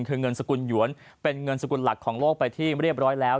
คือเงินสกุลหยวนเป็นเงินสกุลหลักของโลกไปที่เรียบร้อยแล้ว